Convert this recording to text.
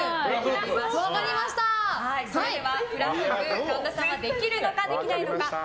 それではフラフープ神田さんはできるのかできないのか。